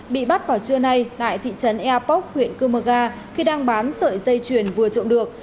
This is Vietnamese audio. bị bắt vào trưa nay tại thị trấn eapok huyện cơ mơ ga khi đang bán sợi dây chuyền vừa trộm được